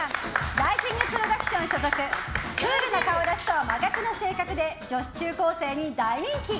ライジングプロダクション所属クールな顔立ちと真逆の性格で女子中高生に大人気。